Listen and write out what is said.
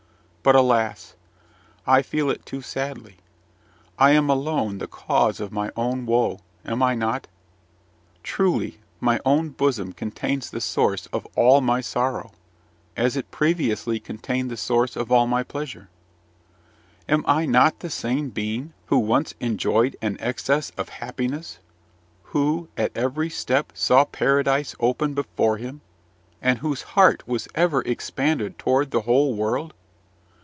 But, alas! I feel it too sadly. I am alone the cause of my own woe, am I not? Truly, my own bosom contains the source of all my sorrow, as it previously contained the source of all my pleasure. Am I not the same being who once enjoyed an excess of happiness, who, at every step, saw paradise open before him, and whose heart was ever expanded toward the whole world?